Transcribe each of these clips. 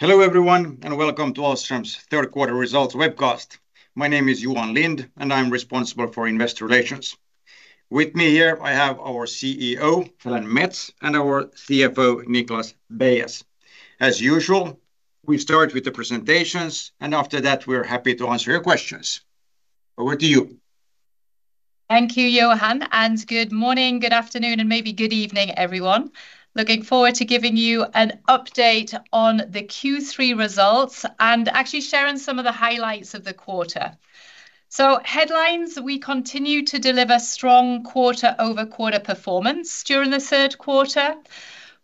Hello everyone and welcome to Ahlstrom's third quarter results webcast. My name is Johan Lindh and I'm responsible for investor relations. With me here I have our CEO, Helen Mets, and our CFO, Niklas Beyes. As usual, we start with the presentations and after that we're happy to answer your questions. Over to you. Thank you, Johan, and good morning, good afternoon, and maybe good evening everyone. Looking forward to giving you an update on the Q3 results and actually sharing some of the highlights of the quarter. Headlines, we continue to deliver strong quarter-over-quarter performance during the third quarter.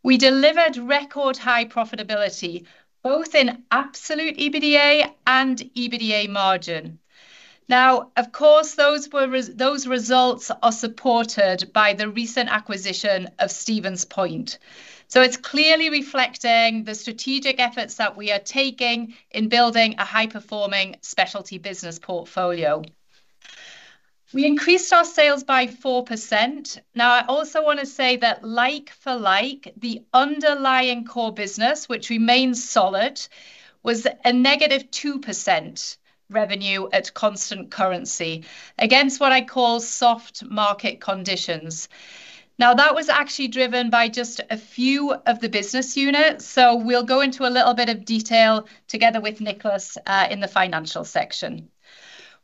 We delivered record high profitability both in absolute EBITDA and EBITDA margin. Now, of course, those results are supported by the recent acquisition of Stevens Point. It is clearly reflecting the strategic efforts that we are taking in building a high-performing specialty business portfolio. We increased our sales by 4%. I also want to say that like for like, the underlying core business, which remains solid, was a negative 2%. Revenue at constant currency against what I call soft market conditions. Now, that was actually driven by just a few of the business units, so we'll go into a little bit of detail together with Niklas in the financial section.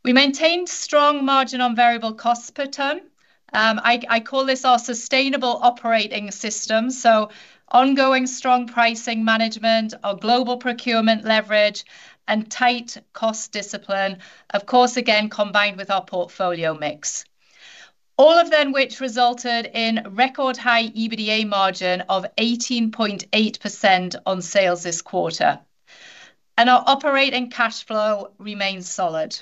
We maintained strong margin on variable costs per ton. I call this our sustainable operating system, so ongoing strong pricing management, our global procurement leverage, and tight cost discipline, of course, again combined with our portfolio mix. All of them which resulted in record high EBITDA margin of 18.8% on sales this quarter. Our operating cash flow remains solid.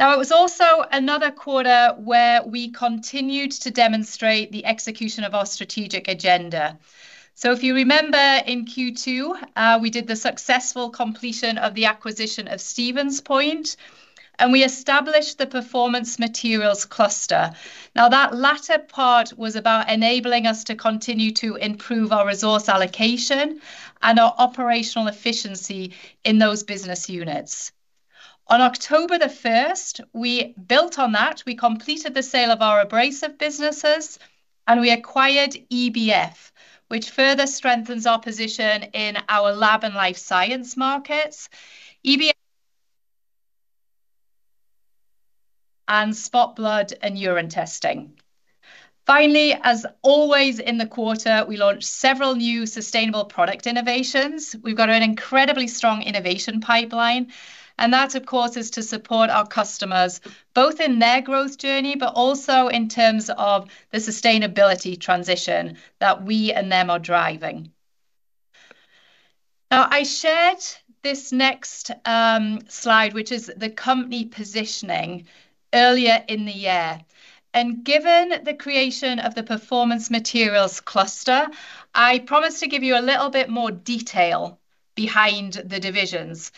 It was also another quarter where we continued to demonstrate the execution of our strategic agenda. If you remember in Q2, we did the successful completion of the acquisition of Stevens Point and we established the performance materials cluster. Now, that latter part was about enabling us to continue to improve our resource allocation and our operational efficiency in those business units. On October 1st, we built on that, we completed the sale of our abrasives businesses and we acquired EBF, which further strengthens our position in our lab and life science markets. EBF and spot blood and urine testing. Finally, as always in the quarter, we launched several new sustainable product innovations. We've got an incredibly strong innovation pipeline and that, of course, is to support our customers both in their growth journey but also in terms of the sustainability transition that we and them are driving. Now, I shared this next slide, which is the company positioning earlier in the year, and given the creation of the performance materials cluster, I promised to give you a little bit more detail behind the divisions.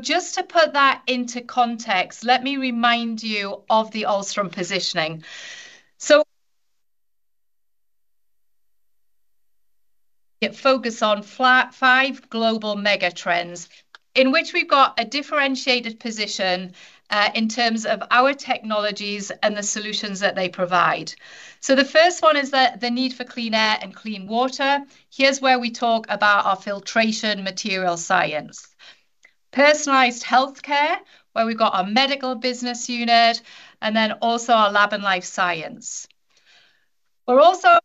Just to put that into context, let me remind you of the Ahlstrom positioning. It focuses on five global mega trends in which we've got a differentiated position in terms of our technologies and the solutions that they provide. The first one is the need for clean air and clean water. Here's where we talk about our filtration material science. Personalized healthcare, where we've got our medical business unit and then also our lab and life science. We're also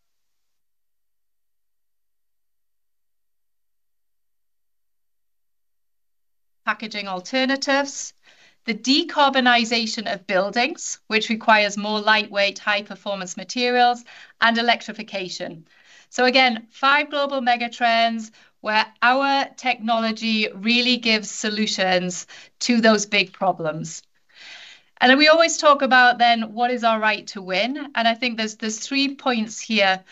packaging alternatives, the decarbonization of buildings, which requires more lightweight high performance materials, and electrification. Again, five global mega trends where our technology really gives solutions to those big problems. We always talk about then what is our right to win. I think there's three points here.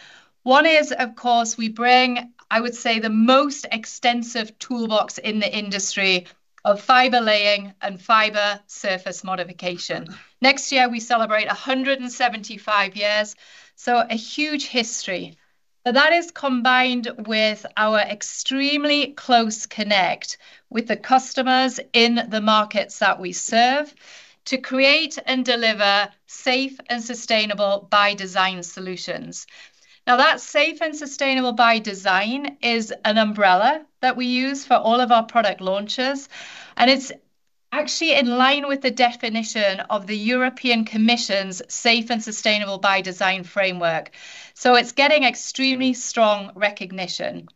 One is, of course, we bring, I would say, the most extensive toolbox in the industry of fibre laying and fibre surface modification. Next year, we celebrate 175 years, so a huge history. That is combined with our extremely close connect with the customers in the markets that we serve to create and deliver safe and sustainable by design solutions. Now, that safe and sustainable by design is an umbrella that we use for all of our product launches, and it's actually in line with the definition of the European Commission's safe and sustainable by design framework. It is getting extremely strong recognition.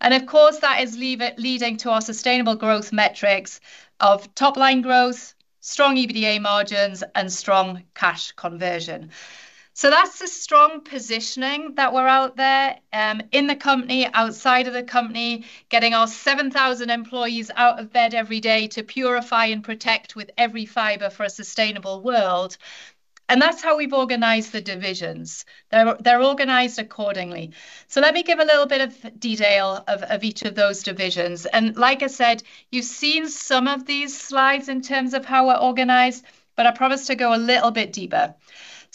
Of course, that is leading to our sustainable growth metrics of top line growth, strong EBITDA margins, and strong cash conversion. That's the strong positioning that we're out there in the company, outside of the company, getting our 7,000 employees out of bed every day to purify and protect with every fibre for a sustainable world. That's how we've organised the divisions. They're organised accordingly. Let me give a little bit of detail of each of those divisions. Like I said, you've seen some of these slides in terms of how we're organised, but I promised to go a little bit deeper.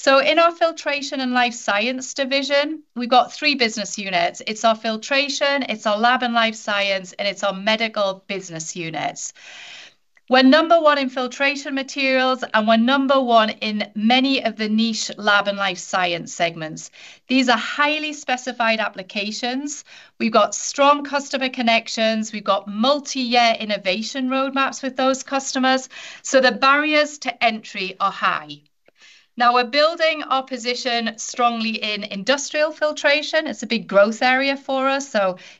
In our filtration and life science division, we've got three business units. It's our filtration, it's our lab and life science, and it's our medical business units. We're number one in filtration materials and we're number one in many of the niche lab and life science segments. These are highly specified applications. We've got strong customer connections. We've got multi-year innovation roadmaps with those customers. The barriers to entry are high. Now, we're building our position strongly in industrial filtration. It's a big growth area for us,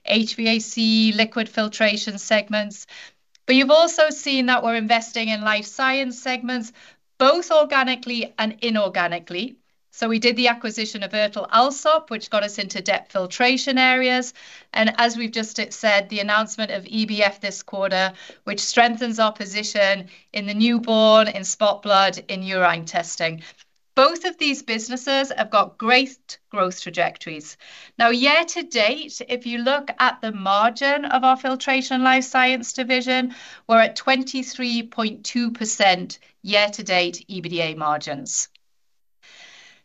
HVAC, liquid filtration segments. You've also seen that we're investing in life science segments, both organically and inorganically. We did the acquisition of Ertl Ahlstrom, which got us into depth filtration areas. As we've just said, the announcement of EBF this quarter strengthens our position in the newborn, in spot blood, in urine testing. Both of these businesses have got great growth trajectories. Now, year to date, if you look at the margin of our filtration life science division, we're at 23.2% year to date EBITDA margins.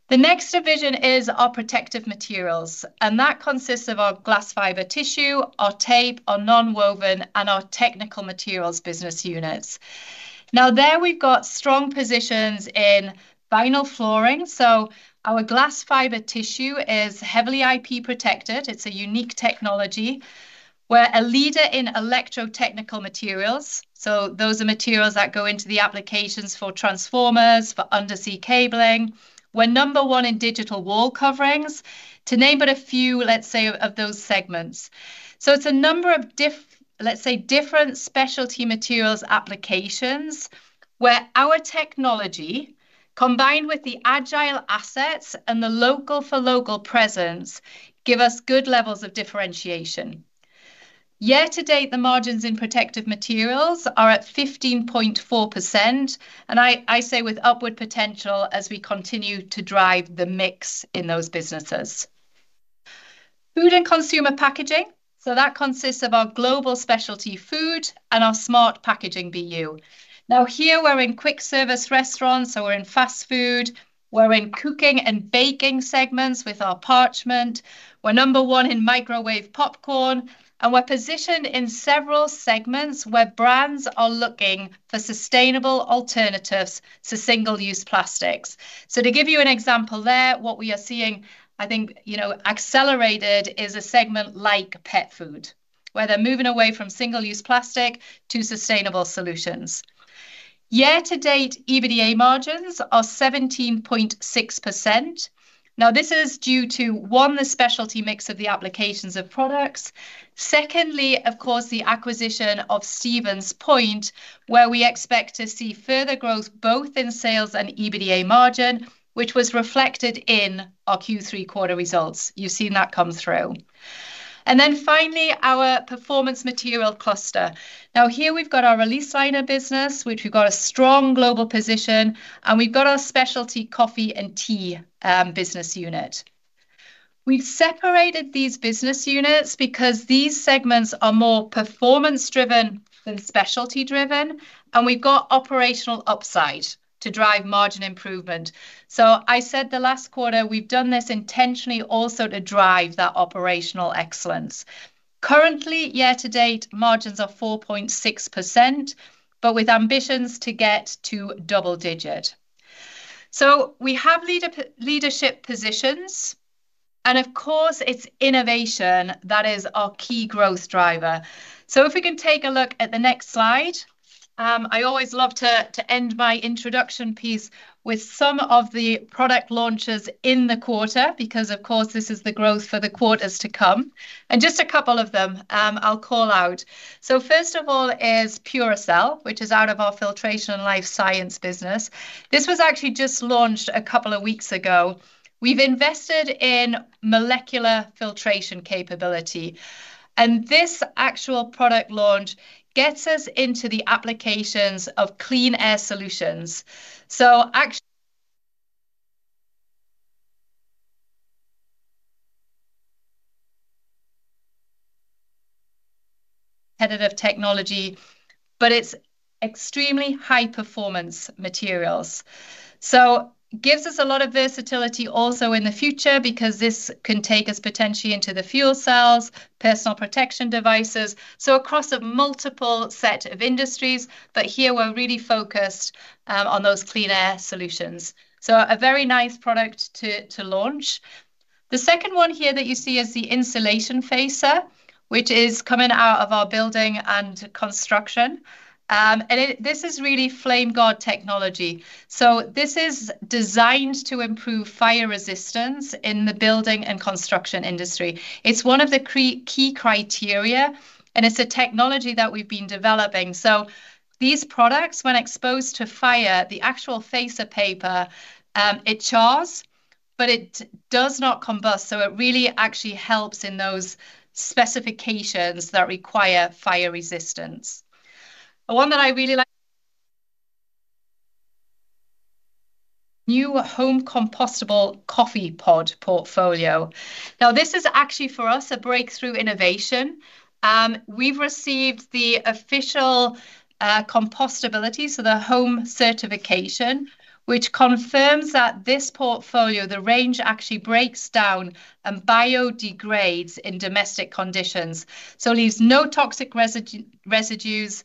The next division is our protective materials, and that consists of our glass fibre tissue, our tape, our non-woven, and our technical materials business units. Now, there we've got strong positions in vinyl flooring. Our glass fibre tissue is heavily IP protected. It's a unique technology. We're a leader in electrotechnical materials. Those are materials that go into the applications for transformers, for undersea cabling. We're number one in digital wall coverings, to name but a few, let's say, of those segments. It's a number of, let's say, different specialty materials applications where our technology, combined with the agile assets and the local for local presence, gives us good levels of differentiation. Year to date, the margins in protective materials are at 15.4%, and I say with upward potential as we continue to drive the mix in those businesses. Food and consumer packaging, that consists of our global specialty food and our smart packaging BU. Here we're in quick service restaurants, so we're in fast food. We're in cooking and baking segments with our parchment. We're number one in microwave popcorn, and we're positioned in several segments where brands are looking for sustainable alternatives to single-use plastics. To give you an example there, what we are seeing, I think, accelerated is a segment like pet food, where they're moving away from single-use plastic to sustainable solutions. Year to date, EBITDA margins are 17.6%. This is due to, one, the specialty mix of the applications of products. Secondly, of course, the acquisition of Stevens Point, where we expect to see further growth both in sales and EBITDA margin, which was reflected in our Q3 quarter results. You have seen that come through. Finally, our performance material cluster. Here we have our release liner business, which has a strong global position, and we have our specialty coffee and tea business unit. We've separated these business units because these segments are more performance-driven than specialty-driven, and we've got operational upside to drive margin improvement. I said the last quarter we've done this intentionally also to drive that operational excellence. Currently, year to date, margins are 4.6%, with ambitions to get to double digit. We have leadership positions. Of course, it's innovation that is our key growth driver. If we can take a look at the next slide, I always love to end my introduction piece with some of the product launches in the quarter because, of course, this is the growth for the quarters to come. Just a couple of them I'll call out. First of all is Puracell, which is out of our filtration and life science business. This was actually just launched a couple of weeks ago. We've invested in molecular filtration capability, and this actual product launch gets us into the applications of clean air solutions. Actually, competitive technology, but it's extremely high performance materials. It gives us a lot of versatility also in the future because this can take us potentially into the fuel cells, personal protection devices. Across a multiple set of industries, but here we're really focused on those clean air solutions. A very nice product to launch. The second one here that you see is the insulation faser, which is coming out of our building and construction. This is really flame guard technology. This is designed to improve fire resistance in the building and construction industry. It's one of the key criteria, and it's a technology that we've been developing. These products, when exposed to fire, the actual faser paper, it chars, but it does not combust. It really actually helps in those specifications that require fire resistance. One that I really like: new home compostable coffee pod portfolio. This is actually for us a breakthrough innovation. We've received the official compostability, so the home certification, which confirms that this portfolio, the range actually breaks down and biodegrades in domestic conditions. It leaves no toxic residues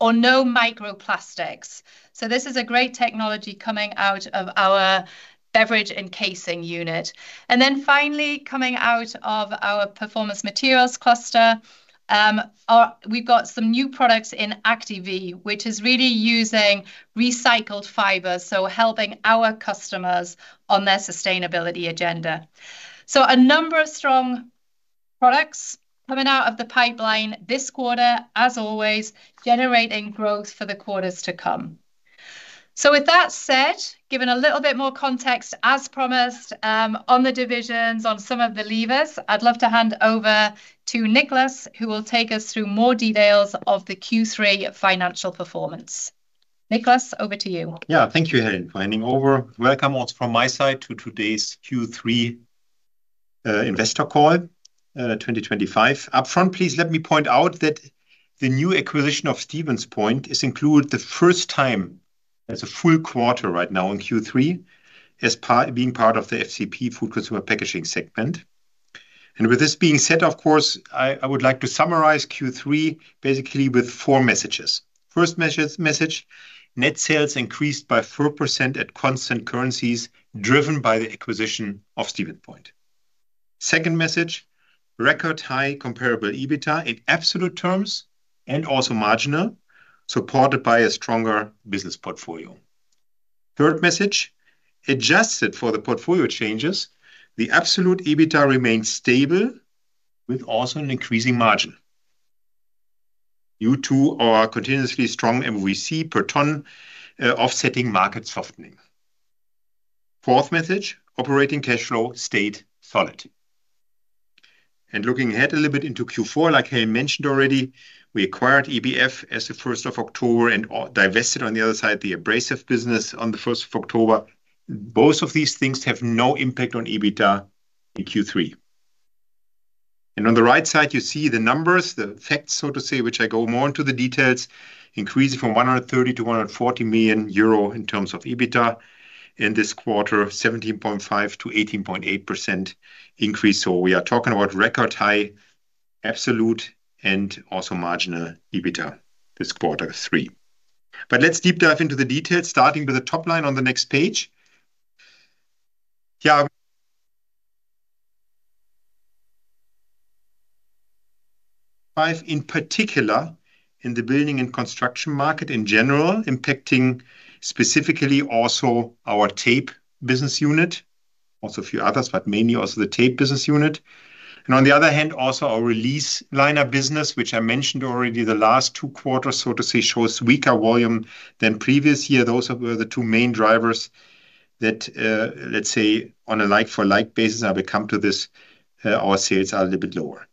or no microplastics. This is a great technology coming out of our beverage encasing unit. Finally, coming out of our performance materials cluster, we've got some new products in Active, which is really using recycled fiber, so helping our customers on their sustainability agenda. A number of strong products coming out of the pipeline this quarter, as always, generating growth for the quarters to come. With that said, given a little bit more context, as promised, on the divisions, on some of the levers, I'd love to hand over to Niklas, who will take us through more details of the Q3 financial performance. Niklas, over to you. Yeah, thank you, Helen, for handing over. Welcome from my side to today's Q3 investor call. Upfront, please let me point out that the new acquisition of Stevens Point is included for the first time as a full quarter right now in Q3, as being part of the FCP food consumer packaging segment. With this being said, of course, I would like to summarize Q3 basically with four messages. First message, net sales increased by 4% at constant currencies driven by the acquisition of Stevens Point. Second message, record high comparable EBITDA in absolute terms and also marginal, supported by a stronger business portfolio. Third message, adjusted for the portfolio changes, the absolute EBITDA remains stable with also an increasing margin. Due to our continuously strong MOVC per ton offsetting market softening. Fourth message, operating cash flow stayed solid. Looking ahead a little bit into Q4, like Helen mentioned already, we acquired EBF as of the 1st of October and divested on the other side the abrasives business on the 1st of October. Both of these things have no impact on EBITDA in Q3. On the right side, you see the numbers, the facts, so to say, which I go more into the details, increasing from 130 million to 140 million euro in terms of EBITDA in this quarter, 17.5%-18.8% increase. We are talking about record high absolute and also marginal EBITDA this quarter three. Let's deep dive into the details, starting with the top line on the next page. Yeah. Five in particular. In the building and construction market in general, impacting specifically also our tape business unit, also a few others, but mainly also the tape business unit. On the other hand, also our release liner business, which I mentioned already the last two quarters, so to say, shows weaker volume than previous year. Those were the two main drivers that, let's say, on a like-for-like basis, have come to this, our sales are a little bit lower.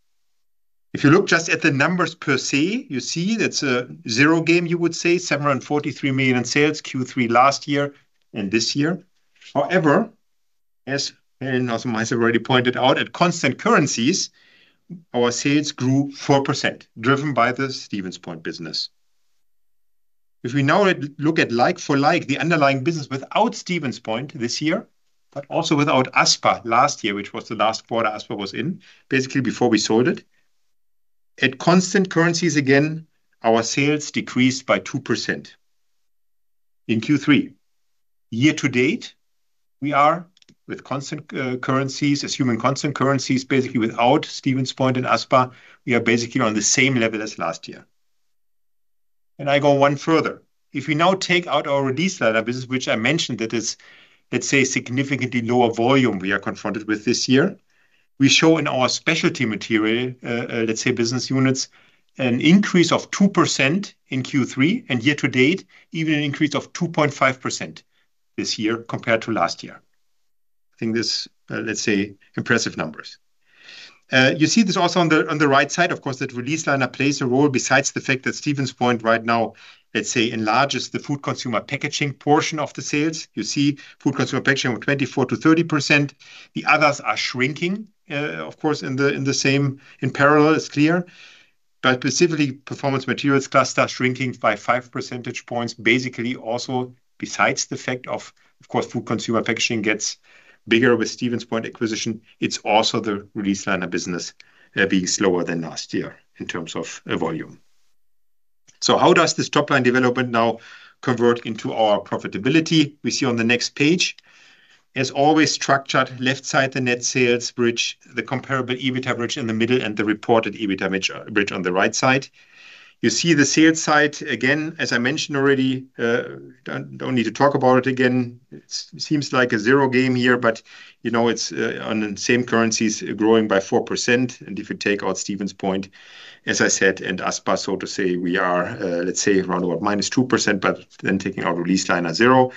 If you look just at the numbers per se, you see that's a zero game, you would say, 743 million in sales Q3 last year and this year. However, as Helen also might have already pointed out, at constant currencies, our sales grew 4%, driven by the Stevens Point business. If we now look at like-for-like, the underlying business without Stevens Point this year, but also without Aspa last year, which was the last quarter Aspa was in, basically before we sold it. At constant currencies, again, our sales decreased by 2%. In Q3. Year to date, we are with constant currencies, assuming constant currencies, basically without Stevens Point and Aspa, we are basically on the same level as last year. I go one further. If we now take out our release liner business, which I mentioned that is, let's say, significantly lower volume we are confronted with this year, we show in our specialty material, let's say, business units, an increase of 2% in Q3 and year to date, even an increase of 2.5% this year compared to last year. I think this is, let's say, impressive numbers. You see this also on the right side, of course, that release liner plays a role besides the fact that Stevens Point right now, let's say, enlarges the food consumer packaging portion of the sales. You see food consumer packaging with 24%-30%. The others are shrinking, of course, in the same, in parallel, it's clear. Specifically, performance materials cluster shrinking by 5 percentage points, basically also besides the fact of, of course, food consumer packaging gets bigger with Stevens Point acquisition, it's also the release liner business. Being slower than last year in terms of volume. How does this top line development now convert into our profitability? We see on the next page, as always, structured left side, the net sales bridge, the comparable EBITDA bridge in the middle, and the reported EBITDA bridge on the right side. You see the sales side, again, as I mentioned already. Do not need to talk about it again. It seems like a zero game here, but you know it is on the same currencies growing by 4%. If you take out Stevens Point, as I said, and Aspa, so to say, we are, let's say, around about -2%, but then taking our release liner zero.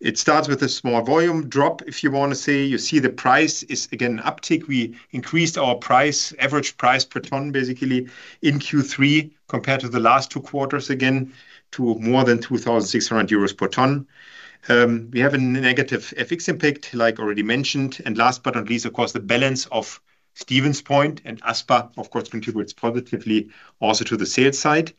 It starts with a small volume drop, if you want to say. You see the price is again an uptick. We increased our price, average price per ton, basically in Q3 compared to the last two quarters, again, to more than 2,600 euros per ton. We have a negative FX impact, like already mentioned. Last but not least, of course, the balance of Stevens Point and Aspa, of course, contributes positively also to the sales side.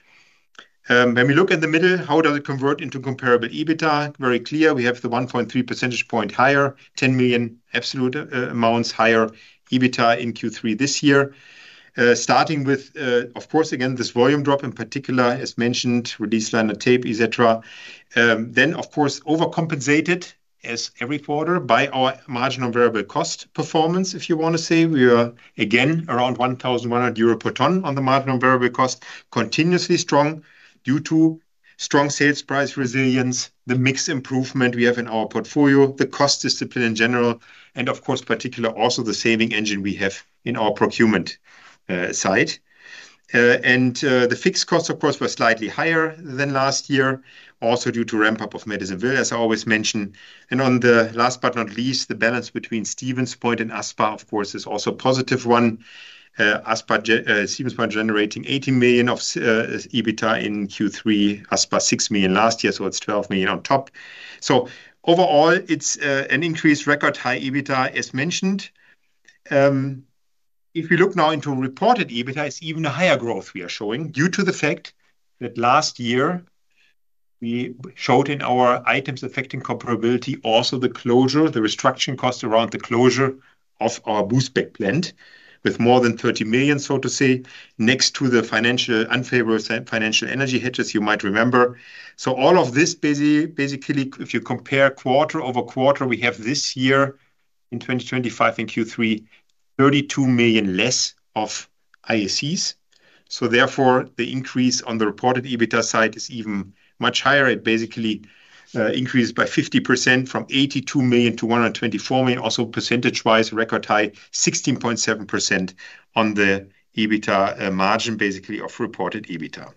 When we look in the middle, how does it convert into comparable EBITDA? Very clear. We have the 1.3 percentage point higher, 10 million absolute amounts higher EBITDA in Q3 this year. Starting with, of course, again, this volume drop in particular, as mentioned, release liner tape, et cetera. Of course, overcompensated as every quarter by our marginal variable cost performance, if you want to say. We are again around 1,100 euro per ton on the marginal variable cost, continuously strong due to strong sales price resilience, the mixed improvement we have in our portfolio, the cost discipline in general, and of course, particularly also the saving engine we have in our procurement side. The fixed cost, of course, was slightly higher than last year, also due to ramp-up of medicine vill, as I always mention. Last but not least, the balance between Stevens Point and Aspa, of course, is also a positive one. Stevens Point generating 80 million of EBITDA in Q3, Aspa 6 million last year, so it is 12 million on top. Overall, it is an increased record high EBITDA, as mentioned. If we look now into reported EBITDA, it is even a higher growth we are showing due to the fact that last year we showed in our items affecting comparability also the closure, the restructuring cost around the closure of our boostback plant with more than 30 million, next to the unfavorable financial energy hedges, you might remember. All of this, basically, if you compare quarter over quarter, we have this year in 2025 in Q3, 32 million less of IACs. Therefore, the increase on the reported EBITDA side is even much higher. It basically increased by 50% from 82 million to 124 million, also percentage-wise record high, 16.7% on the EBITDA margin, basically of reported EBITDA.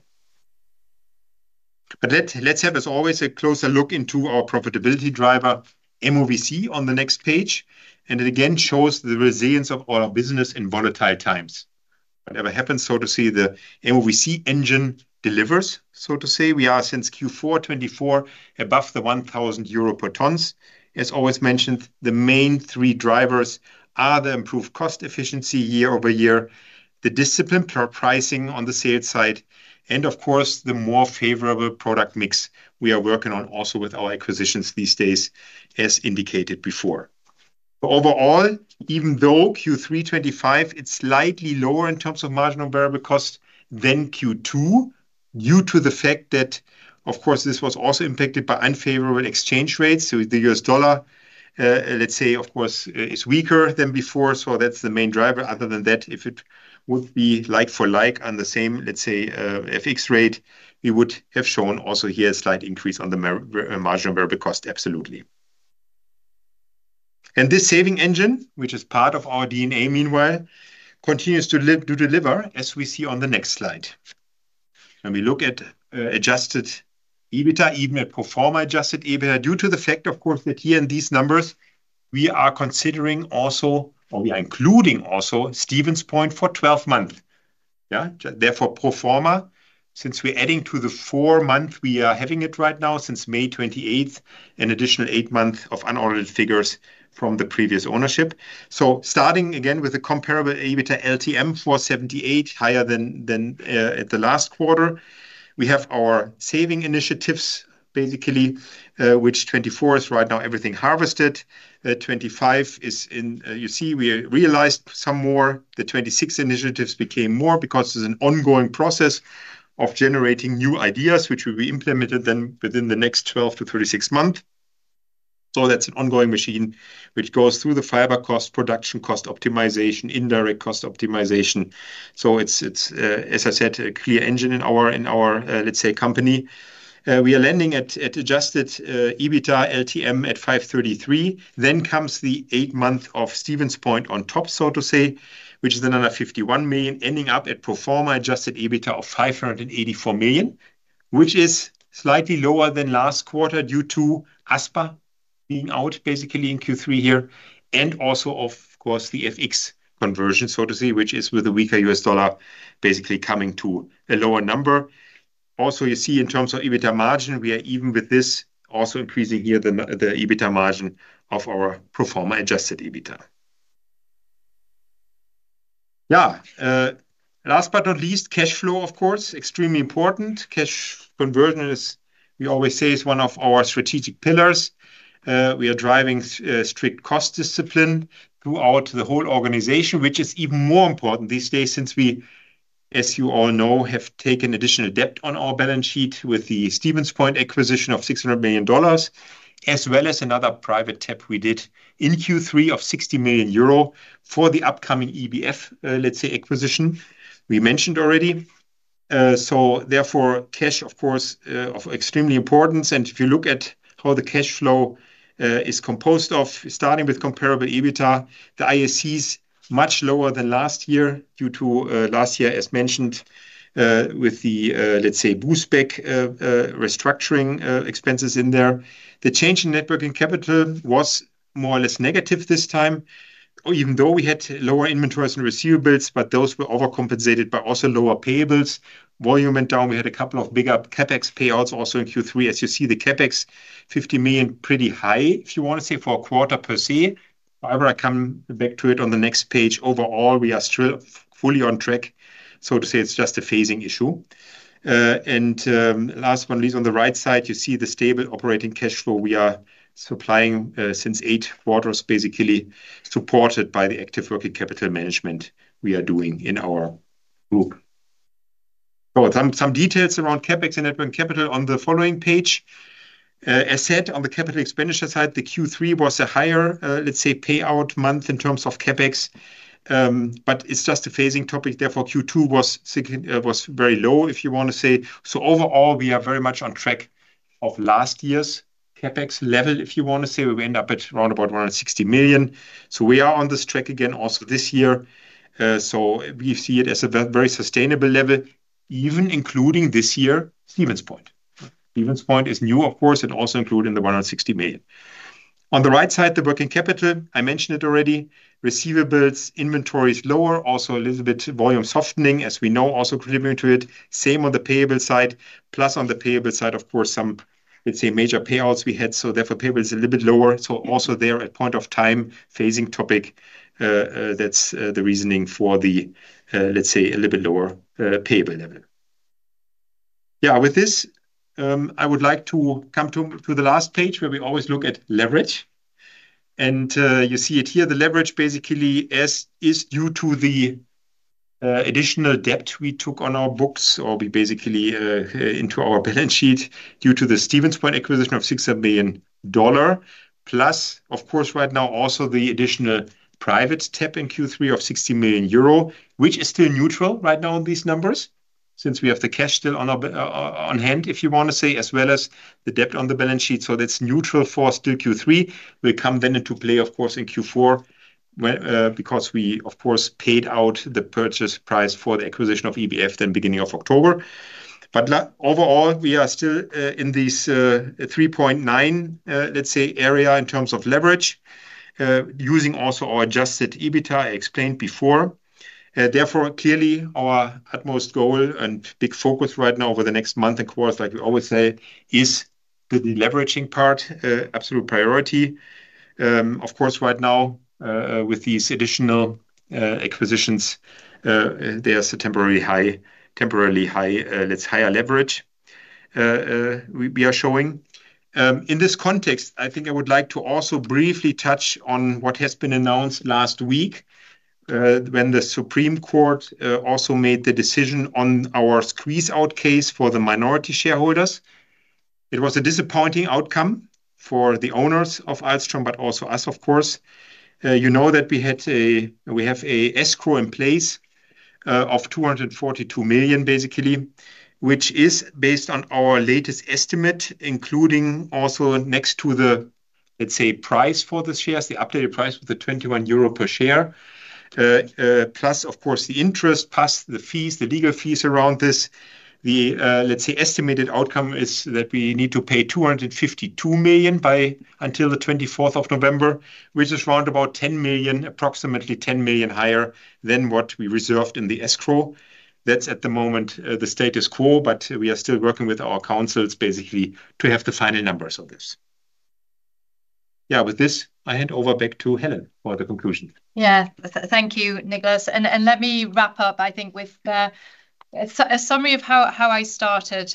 Let's have, as always, a closer look into our profitability driver, MOVC, on the next page. It again shows the resilience of our business in volatile times. Whatever happens, so to say, the MOVC engine delivers, so to say. We are since Q4 2024 above the 1,000 euro per ton. As always mentioned, the main three drivers are the improved cost efficiency year over year, the discipline per pricing on the sales side, and of course, the more favorable product mix we are working on also with our acquisitions these days, as indicated before. Overall, even though Q3 2025, it's slightly lower in terms of marginal variable cost than Q2, due to the fact that, of course, this was also impacted by unfavorable exchange rates. The US dollar, let's say, of course, is weaker than before. That's the main driver. Other than that, if it would be like-for-like on the same, let's say, FX rate, we would have shown also here a slight increase on the marginal variable cost, absolutely. This saving engine, which is part of our DNA, meanwhile, continues to deliver, as we see on the next slide. When we look at adjusted EBITDA, even at pro forma adjusted EBITDA, due to the fact, of course, that here in these numbers, we are considering also, or we are including also, Stevens Point for 12 months. Yeah, therefore, pro forma, since we're adding to the four months we are having it right now, since May 28, an additional eight months of unaudited figures from the previous ownership. Starting again with the comparable EBITDA LTM for 78, higher than at the last quarter, we have our saving initiatives, basically, which 24 is right now everything harvested. 25 is in, you see, we realized some more. The 26 initiatives became more because there is an ongoing process of generating new ideas, which will be implemented then within the next 12-36 months. That is an ongoing machine, which goes through the fiber cost, production cost optimization, indirect cost optimization. It is, as I said, a clear engine in our, let's say, company. We are landing at adjusted EBITDA LTM at 533. Then comes the eight month of Stevens Point on top, so to say, which is another 51 million, ending up at pro forma adjusted EBITDA of 584 million, which is slightly lower than last quarter due to Aspa being out, basically, in Q3 here, and also, of course, the FX conversion, so to say, which is with a weaker U.S. dollar, basically coming to a lower number. Also, you see, in terms of EBITDA margin, we are even with this also increasing here the EBITDA margin of our pro forma adjusted EBITDA. Yeah. Last but not least, cash flow, of course, extremely important. Cash conversion is, we always say, one of our strategic pillars. We are driving strict cost discipline throughout the whole organization, which is even more important these days since we, as you all know, have taken additional debt on our balance sheet with the Stevens Pointa cquisition of $600 million, as well as another private tap we did in Q3 of 60 million euro for the upcoming EBF, let's say, acquisition we mentioned already. Therefore, cash, of course, of extremely importance. If you look at how the cash flow is composed of, starting with comparable EBITDA, the IACs much lower than last year due to last year, as mentioned. With the, let's say, boostback. Restructuring expenses in there. The change in net working capital was more or less negative this time, even though we had lower inventories and receivables, but those were overcompensated by also lower payables. Volume went down. We had a couple of bigger CapEx payouts also in Q3. As you see, the CapEx, 50 million, pretty high, if you want to say, for a quarter per se. However, I come back to it on the next page. Overall, we are still fully on track, so to say, it's just a phasing issue. Last but not least, on the right side, you see the stable operating cash flow we are supplying since eight quarters, basically supported by the active working capital management we are doing in our group. Some details around CapEx and net working capital on the following page. As said, on the capital expenditure side, the Q3 was a higher, let's say, payout month in terms of CapEx. It's just a phasing topic. Therefore, Q2 was very low, if you want to say. Overall, we are very much on track of last year's CapEx level, if you want to say. We end up at around about 160 million. We are on this track again also this year. We see it as a very sustainable level, even including this year, Stevens Point. Stevens Point is new, of course, and also included in the 160 million. On the right side, the working capital, I mentioned it already, receivables, inventory is lower, also a little bit volume softening, as we know, also contributing to it. Same on the payable side, + on the payable side, of course, some, let's say, major payouts we had. Therefore, payable is a little bit lower. Also there, at point of time, phasing topic, that's the reasoning for the, let's say, a little bit lower payable level. Yeah, with this, I would like to come to the last page where we always look at leverage. You see it here, the leverage, basically, is due to the additional debt we took on our books, or we basically into our balance sheet due to the Stevens Point acquisition of $600 million. +, of course, right now, also the additional private tap in Q3 of 60 million euro, which is still neutral right now in these numbers, since we have the cash still on hand, if you want to say, as well as the debt on the balance sheet. That is neutral for still Q3. We come then into play, of course, in Q4. We, of course, paid out the purchase price for the acquisition of EBF then beginning of October. Overall, we are still in these 3.9, let's say, area in terms of leverage, using also our adjusted EBITDA I explained before. Therefore, clearly, our utmost goal and big focus right now over the next month and quarter, like we always say, is the leveraging part, absolute priority. Of course, right now, with these additional acquisitions, there is a temporary high leverage we are showing. In this context, I think I would like to also briefly touch on what has been announced last week, when the Supreme Court also made the decision on our squeeze-out case for the minority shareholders. It was a disappointing outcome for the owners of Ahlstrom, but also us, of course. You know that we have an escrow in place of 242 million, basically, which is based on our latest estimate, including also next to the, let's say, price for the shares, the updated price with the 21 euro per share, +, of course, the interest, + the fees, the legal fees around this. The, let's say, estimated outcome is that we need to pay 252 million by until the 24th of November, which is round about 10 million, approximately 10 million higher than what we reserved in the escrow. That's at the moment the status quo, but we are still working with our councils, basically, to have the final numbers of this. Yeah, with this, I hand over back to Helen for the conclusion. Yeah, thank you, Niklas. And let me wrap up, I think, with. A summary of how I started.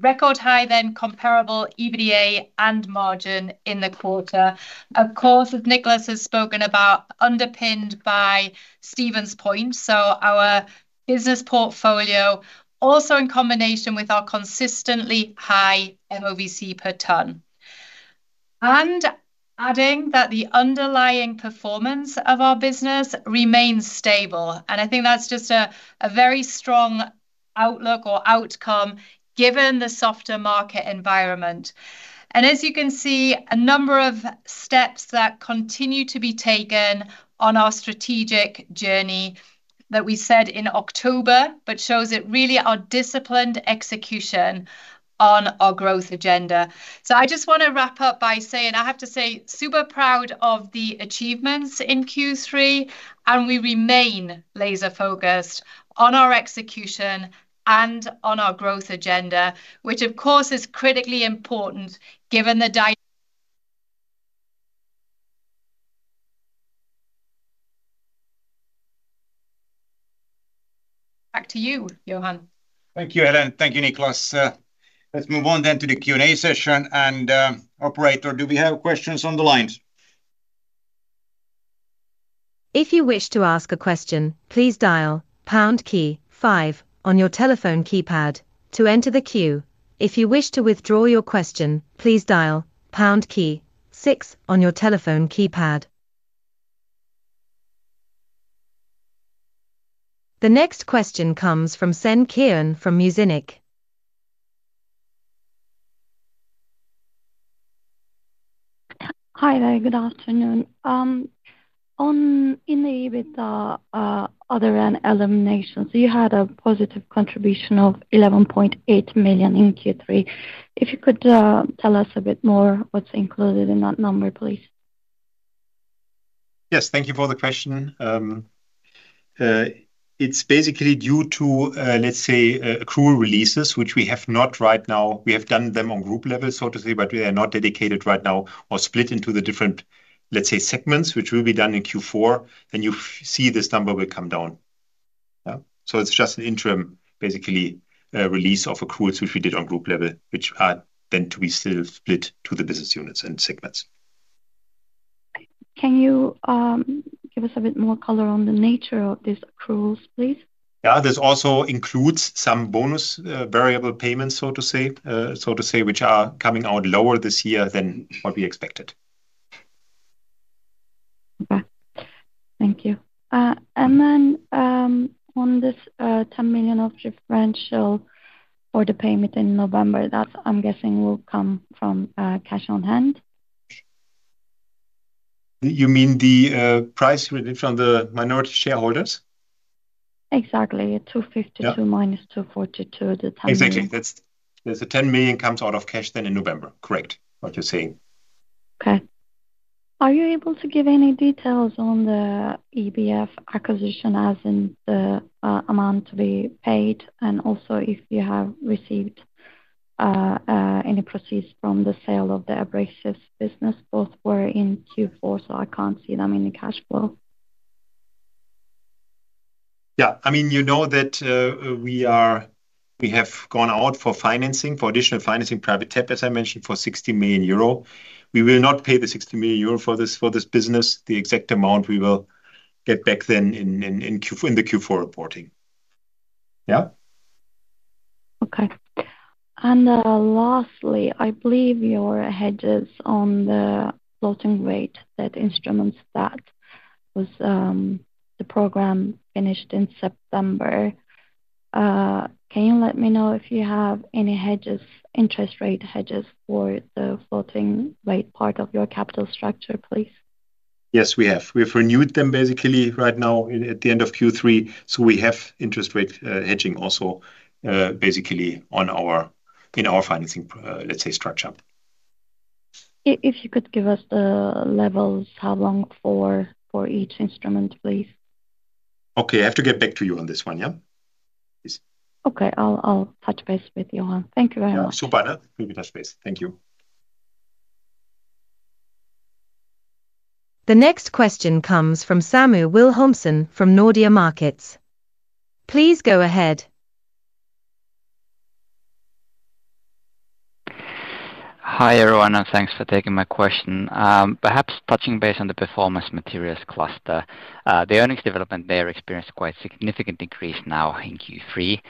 Record high, then comparable EBITDA and margin in the quarter. Of course, as Niklas has spoken about, underpinned by Stevens Point, so our business portfolio, also in combination with our consistently high MOVC per tonne. And adding that the underlying performance of our business remains stable. I think that's just a very strong outlook or outcome given the softer market environment. As you can see, a number of steps that continue to be taken on our strategic journey that we said in October, but shows it really our disciplined execution on our growth agenda. I just want to wrap up by saying I have to say super proud of the achievements in Q3, and we remain laser-focused on our execution and on our growth agenda, which, of course, is critically important given the. Back to you, Johan. Thank you, Helen. Thank you, Niklas. Let's move on then to the Q&A session. Operator, do we have questions on the line? If you wish to ask a question, please dial pound key 5 on your telephone keypad to enter the queue. If you wish to withdraw your question, please dial pound key 6 on your telephone keypad. The next question comes from Senan Kiran from Muzinich. Hi there, good afternoon. In the EBITDA other and elimination, you had a positive contribution of 11.8 million in Q3. If you could tell us a bit more what's included in that number, please. Yes, thank you for the question. It's basically due to, let's say, accrual releases, which we have not right now. We have done them on group level, so to say, but they are not dedicated right now or split into the different, let's say, segments, which will be done in Q4. You see this number will come down. Yeah, it's just an interim, basically, release of accruals, which we did on group level, which are then to be still split to the business units and segments. Can you. Give us a bit more color on the nature of these accruals, please? Yeah, this also includes some bonus variable payments, so to say, which are coming out lower this year than what we expected. Okay, thank you. On this 10 million differential. For the payment in November, that I am guessing will come from cash on hand. You mean the price from the minority shareholders? Exactly, 252 million-242 million, the EUR 10 million. Exactly, the 10 million comes out of cash then in November. Correct what you are saying. Okay. Are you able to give any details on the EBF acquisition as in the amount to be paid and also if you have received any proceeds from the sale of the abrasives business? Both were in Q4, so I cannot see them in the cash flow. Yeah, I mean, you know that. We have gone out for financing, for additional financing, private tap, as I mentioned, for 60 million euro. We will not pay the 60 million euro for this business. The exact amount we will get back then in the Q4 reporting. Yeah. Okay. Lastly, I believe your hedges on the floating rate, that instruments that. Was. The program finished in September. Can you let me know if you have any hedges, interest rate hedges for the floating rate part of your capital structure, please? Yes, we have. We've renewed them, basically, right now at the end of Q3. We have interest rate hedging also, basically, in our financing, let's say, structure. If you could give us the levels, how long for each instrument, please. Okay, I have to get back to you on this one, yeah? Okay, I'll touch base with Johan. Thank you very much. Yeah, super nice. We'll touch base. Thank you. The next question comes from Samu Will Holmson from Nordea Markets. Please go ahead. Hi everyone, and thanks for taking my question. Perhaps touching base on the performance materials cluster, the earnings development there experienced quite a significant increase now in Q3.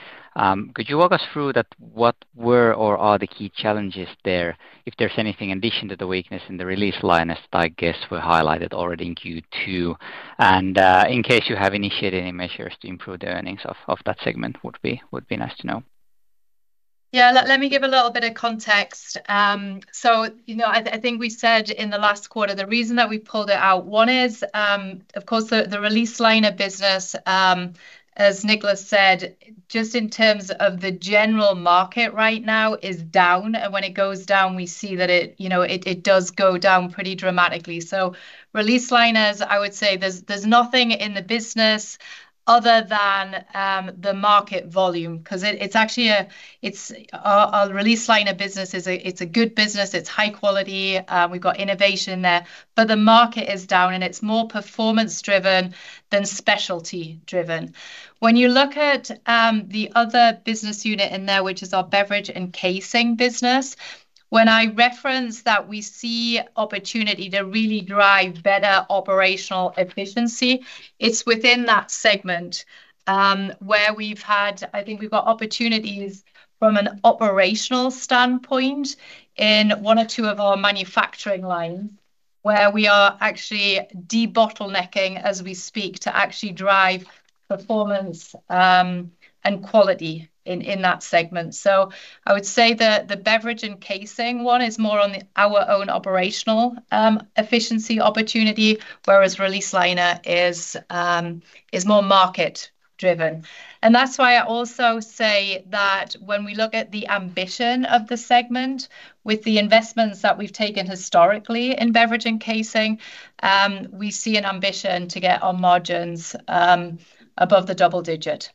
Could you walk us through what were or are the key challenges there, if there's anything in addition to the weakness in the release liners, as I guess were highlighted already in Q2? In case you have initiated any measures to improve the earnings of that segment, would be nice to know. Yeah, let me give a little bit of context. I think we said in the last quarter, the reason that we pulled it out, one is, of course, the release liners business. As Niklas said, just in terms of the general market right now, is down. When it goes down, we see that it does go down pretty dramatically. Release liners, I would say, there's nothing in the business other than the market volume, because it's actually a release liner business. It's a good business, it's high quality, we've got innovation there, but the market is down and it's more performance-driven than specialty-driven. When you look at the other business unit in there, which is our beverage encasing business, when I reference that we see opportunity to really drive better operational efficiency, it's within that segment where we've had, I think we've got opportunities from an operational standpoint in one or two of our manufacturing lines, where we are actually debottlenecking as we speak to actually drive performance and quality in that segment. I would say that the beverage encasing one is more on our own operational. Efficiency opportunity, whereas release liners is more market-driven. That is why I also say that when we look at the ambition of the segment, with the investments that we have taken historically in beverage encasing, we see an ambition to get our margins above the double digit.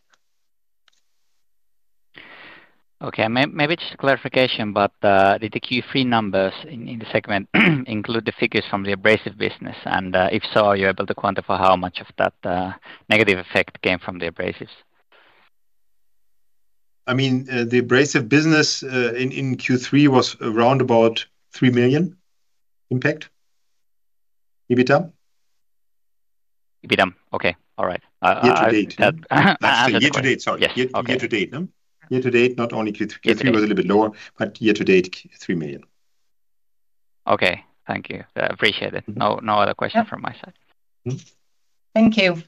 Okay, maybe just a clarification, but did the Q3 numbers in the segment include the figures from the abrasives business? If so, are you able to quantify how much of that negative effect came from the abrasives? I mean, the abrasives business in Q3 was around about 3 million impact. EBITDA? EBITDA, okay. All right. Year to date. Year to date, sorry. Year to date. Year to date, not only Q3, Q3 was a little bit lower, but year to date, 3 million. Okay, thank you. Appreciate it. No other question from my side. Thank you.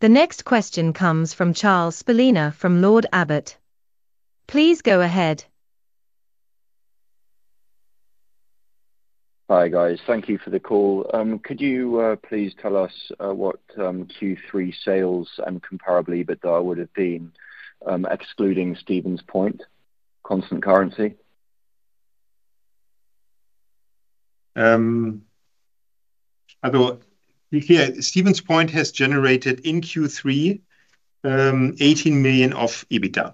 The next question comes from Charles Spelina from Lord Abbett. Please go ahead. Hi guys, thank you for the call. Could you please tell us what Q3 sales and comparably EBITDA would have been, excluding Stevens Point, constant currency? Stevens Point has generated in Q3. 18 million of EBITDA.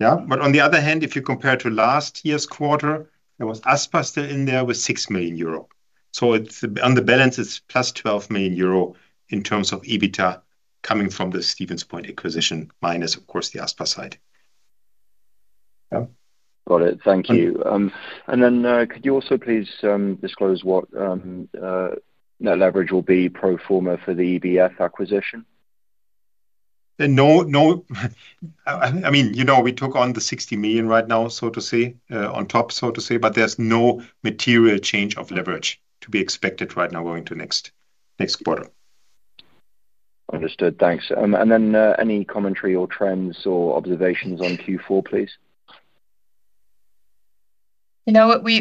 Yeah, but on the other hand, if you compare to last year's quarter, there was Aspa still in there with 6 million euro. So on the balance, it's 12 million euro in terms of EBITDA coming from the Stevens Point acquisition, -, of course, the Aspa side. Got it. Thank you. Could you also please disclose what that leverage will be pro forma for the EBF acquisition? No. I mean, we took on the 60 million right now, so to say, on top, so to say, but there's no material change of leverage to be expected right now going to next quarter. Understood. Thanks. Any commentary or trends or observations on Q4, please? You know what? We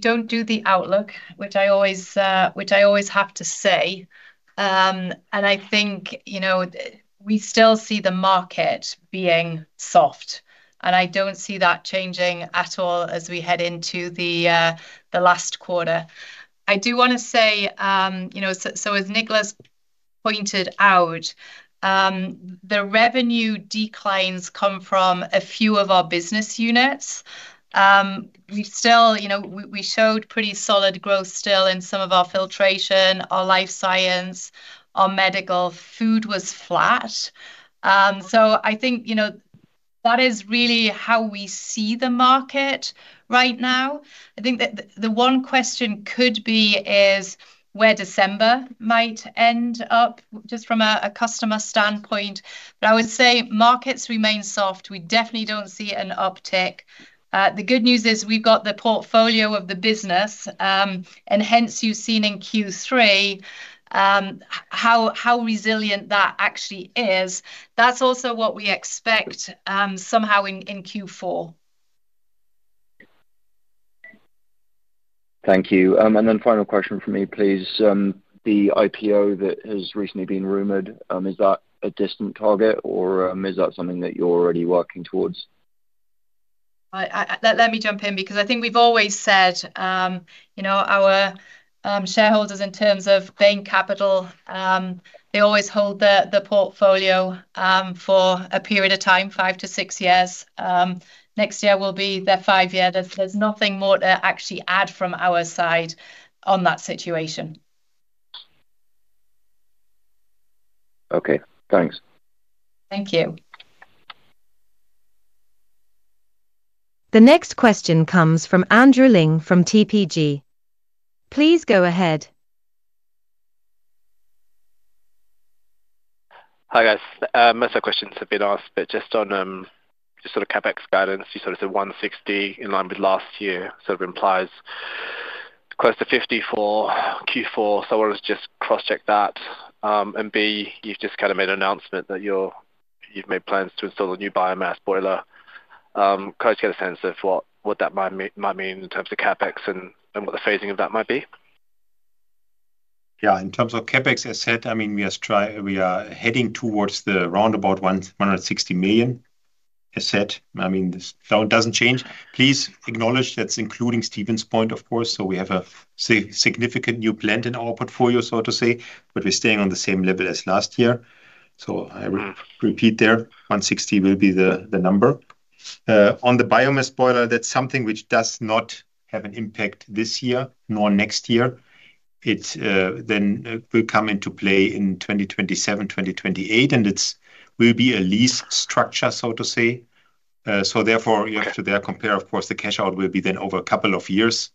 do not do the outlook, which I always have to say. I think we still see the market being soft. I do not see that changing at all as we head into the last quarter. I do want to say, as Niklas pointed out, the revenue declines come from a few of our business units. We showed pretty solid growth still in some of our filtration, our life science, our medical. Food was flat. I think that is really how we see the market right now. I think the one question could be where December might end up, just from a customer standpoint. I would say markets remain soft. We definitely do not see an uptick. The good news is we have got the portfolio of the business. Hence you have seen in Q3 how resilient that actually is. That is also what we expect somehow in Q4. Thank you. Final question for me, please. The IPO that has recently been rumored, is that a distant target or is that something that you are already working towards? Let me jump in because I think we have always said our shareholders, in terms of Bain Capital, they always hold the portfolio for a period of time, five to six years. Next year will be their five year. There is nothing more to actually add from our side on that situation. Okay, thanks. Thank you. The next question comes from Andrew Ling from TPG. Please go ahead. Hi guys. Most of the questions have been asked, but just on, just sort of CapEx guidance, you sort of said 160 million in line with last year, sort of implies close to 50 million for Q4. I wanted to just cross-check that. B, you've just kind of made an announcement that you've made plans to install a new biomass boiler. Can I just get a sense of what that might mean in terms of CapEx and what the phasing of that might be? Yeah, in terms of CapEx, as said, I mean, we are heading towards the roundabout 160 million, as said. I mean, this does not change. Please acknowledge that's including Stevens Point, of course. We have a significant new plant in our portfolio, so to say, but we're staying on the same level as last year. I repeat there, 160 million will be the number. On the biomass boiler, that's something which does not have an impact this year nor next year. It then will come into play in 2027-2028, and it will be a lease structure, so to say. Therefore, you have to compare, of course, the cash out will be then over a couple of years.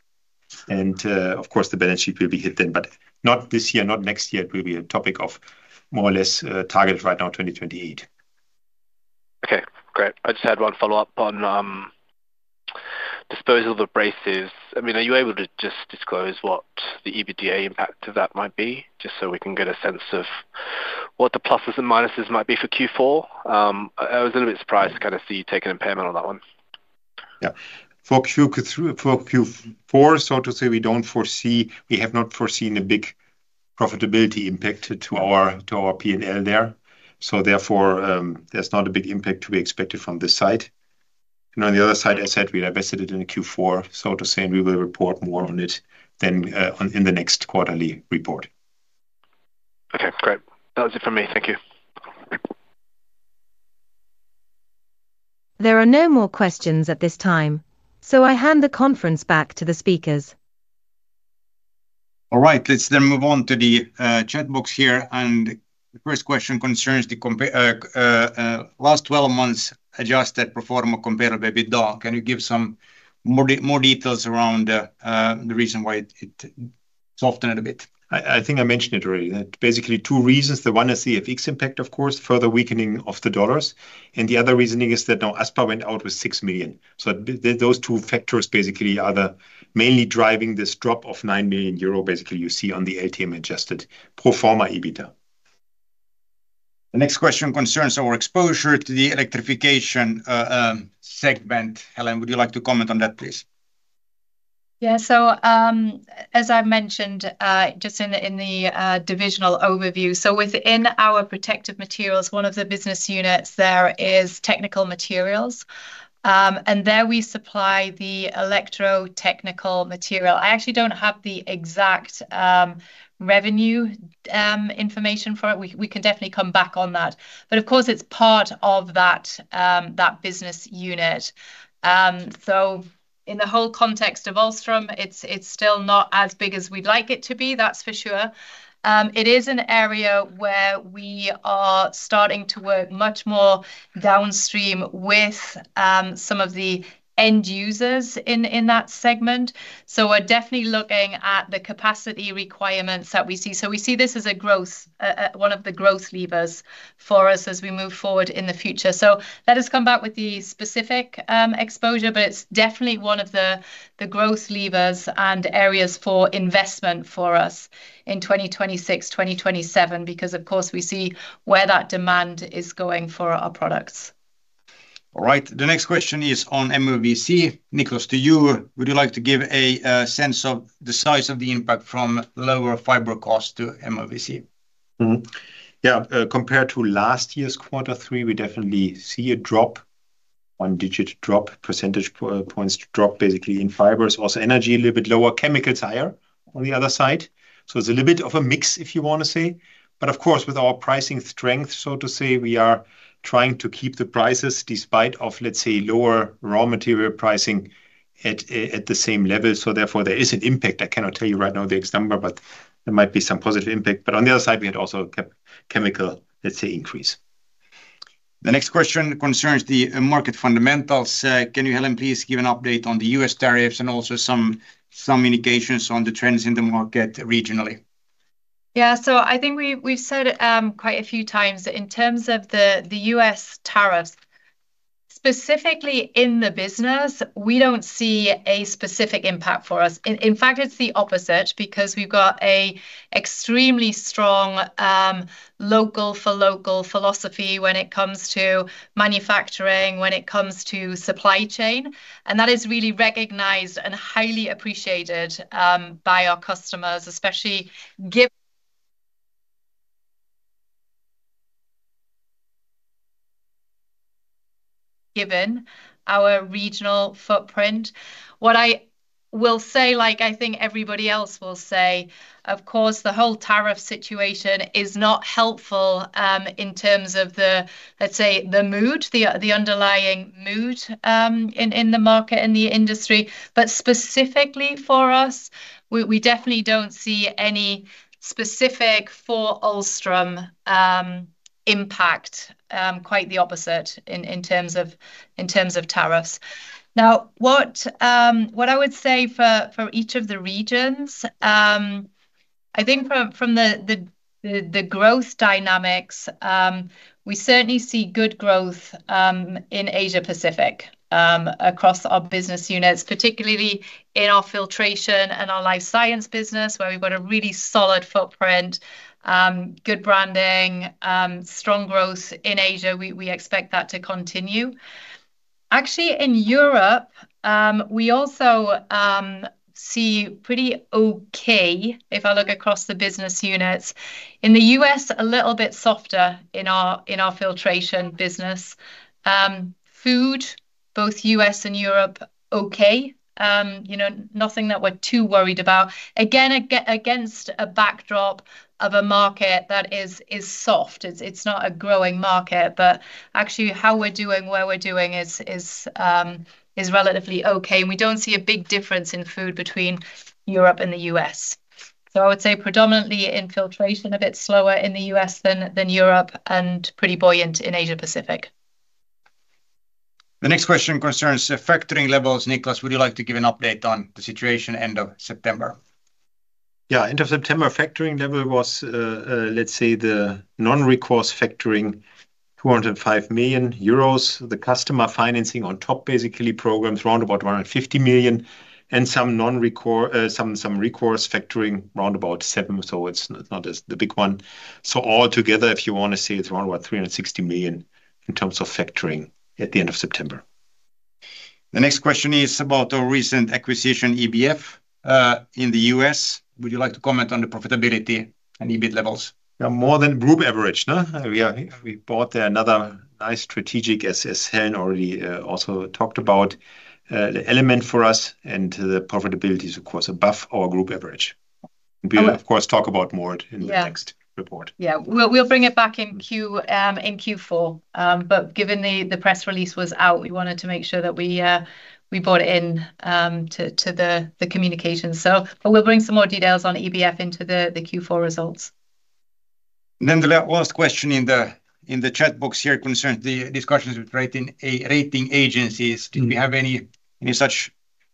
Of course, the balance sheet will be hit then, but not this year, not next year. It will be a topic of more or less target right now, 2028. Okay, great. I just had one follow-up on disposal of abrasives. I mean, are you able to just disclose what the EBITDA impact of that might be, just so we can get a sense of what the + and minuses might be for Q4? I was a little bit surprised to kind of see you take an impairment on that one. Yeah. For Q4, so to say, we don't foresee, we have not foreseen a big profitability impact to our P&L there. Therefore, there's not a big impact to be expected from this side. On the other side, as said, we invested it in Q4, so to say, and we will report more on it in the next quarterly report. Okay, great. That was it for me. Thank you. There are no more questions at this time, so I hand the conference back to the speakers. All right, let's then move on to the chat box here. The first question concerns the last twelve months adjusted pro forma compared with EBITDA. Can you give some more details around the reason why it softened a bit? I think I mentioned it already. Basically, two reasons. One is the fixed impact, of course, further weakening of the dollars. The other reasoning is that now Aspa went out with 6 million. Those two factors basically are mainly driving this drop of 9 million euro, basically, you see on the LTM adjusted pro forma EBITDA. The next question concerns our exposure to the electrification segment. Helen, would you like to comment on that, please? Yeah, as I mentioned just in the divisional overview, within our protective materials, one of the business units there is technical materials. There we supply the electrotechnical material. I actually do not have the exact revenue information for it. We can definitely come back on that. Of course, it's part of that business unit. In the whole context of Ahlstrom, it's still not as big as we'd like it to be, that's for sure. It is an area where we are starting to work much more downstream with some of the end users in that segment. We're definitely looking at the capacity requirements that we see. We see this as one of the growth levers for us as we move forward in the future. Let us come back with the specific exposure, but it's definitely one of the growth levers and areas for investment for us in 2026-2027, because, of course, we see where that demand is going for our products. All right, the next question is on MOVC. Niklas, to you, would you like to give a sense of the size of the impact from lower fiber cost to MOVC? Yeah, compared to last year's quarter three, we definitely see a drop. One-digit drop, percentage points drop basically in fibers. Also, energy a little bit lower, chemicals higher on the other side. It is a little bit of a mix, if you want to say. Of course, with our pricing strength, so to say, we are trying to keep the prices despite, let's say, lower raw material pricing at the same level. Therefore, there is an impact. I cannot tell you right now the exact number, but there might be some positive impact. On the other side, we had also chemical, let's say, increase. The next question concerns the market fundamentals. Can you, Helen, please give an update on the U.S. tariffs and also some indications on the trends in the market regionally? Yeah, so I think we've said quite a few times that in terms of the U.S. tariffs, specifically in the business, we don't see a specific impact for us. In fact, it's the opposite because we've got an extremely strong local-for-local philosophy when it comes to manufacturing, when it comes to supply chain. That is really recognized and highly appreciated by our customers, especially our regional footprint. What I will say, like I think everybody else will say, of course, the whole tariff situation is not helpful in terms of the, let's say, the mood, the underlying mood in the market and the industry. Specifically for us, we definitely don't see any specific for Ahlstrom impact, quite the opposite in terms of tariffs. Now, what I would say for each of the regions. I think from the growth dynamics, we certainly see good growth in Asia-Pacific. Across our business units, particularly in our filtration and our life science business, where we've got a really solid footprint. Good branding, strong growth in Asia. We expect that to continue. Actually, in Europe, we also see pretty okay. If I look across the business units, in the U.S., a little bit softer in our filtration business. Food, both US and Europe, okay. Nothing that we're too worried about. Again, against a backdrop of a market that is soft. It's not a growing market, but actually how we're doing, where we're doing is relatively okay. We don't see a big difference in food between Europe and the U.S. I would say predominantly in filtration, a bit slower in the U.S. than Europe and pretty buoyant in Asia-Pacific. The next question concerns factoring levels. Niklas, would you like to give an update on the situation end of September? Yeah, end of September, factoring level was, let's say, the non-recourse factoring, 205 million euros. The customer financing on top, basically, programs round about 150 million and some. Recourse factoring round about 7 million. It is not the big one. Altogether, if you want to see, it is round about 360 million in terms of factoring at the end of September. The next question is about the recent acquisition EBF in the U.S. Would you like to comment on the profitability and EBIT levels? Yeah, more than group average. We brought another nice strategic, as Helen already also talked about. The element for us and the profitability is, of course, above our group average. We will, of course, talk about more in the next report. Yeah, we'll bring it back in Q4. Given the press release was out, we wanted to make sure that we brought it in to the communications. We'll bring some more details on EBF into the Q4 results. The last question in the chat box here concerns the discussions with rating agencies. Did we have any such?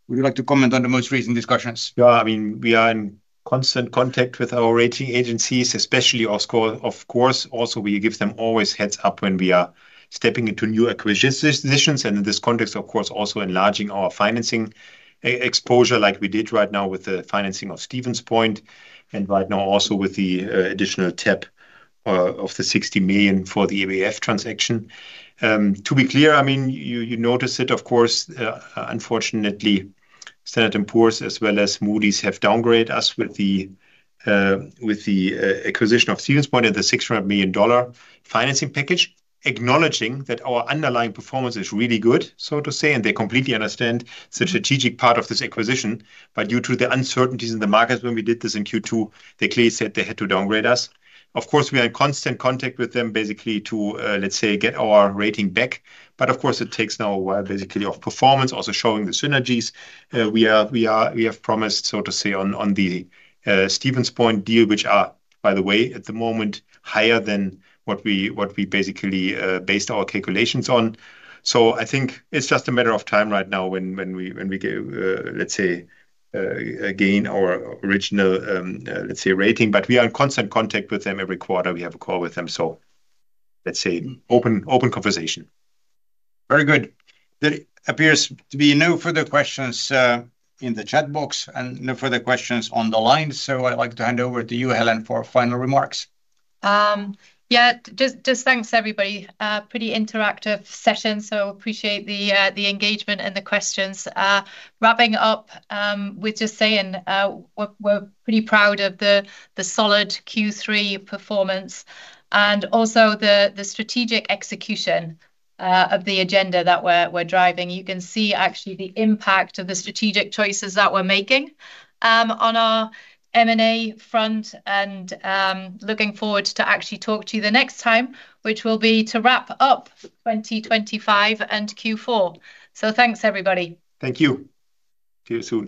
Would you like to comment on the most recent discussions? Yeah, I mean, we are in constant contact with our rating agencies, especially, of course, also we give them always heads up when we are stepping into new acquisition decisions. In this context, of course, also enlarging our financing exposure like we did right now with the financing of Stevens Point and right now also with the additional TEP of the 60 million for the EBF transaction. To be clear, I mean, you notice it, of course, unfortunately, Standard & Poor's as well as Moody's have downgraded us with the acquisition of Stevens Point and the $600 million financing package, acknowledging that our underlying performance is really good, so to say, and they completely understand the strategic part of this acquisition. Due to the uncertainties in the markets when we did this in Q2, they clearly said they had to downgrade us. We are in constant contact with them, basically, to, let's say, get our rating back. It takes now a while, basically, of performance, also showing the synergies. We have promised, so to say, on the Stevens Point deal, which are, by the way, at the moment higher than what we basically based our calculations on. I think it's just a matter of time right now when we get, let's say, again our original, let's say, rating. We are in constant contact with them every quarter. We have a call with them, so let's say open conversation. Very good. There appears to be no further questions in the chat box and no further questions on the line. I'd like to hand over to you, Helen, for final remarks. Yeah, just thanks, everybody. Pretty interactive session, so appreciate the engagement and the questions. Wrapping up with just saying we're pretty proud of the solid Q3 performance and also the strategic execution of the agenda that we're driving. You can see actually the impact of the strategic choices that we're making on our M&A front and looking forward to actually talk to you the next time, which will be to wrap up 2025 and Q4. Thanks, everybody. Thank you. See you soon.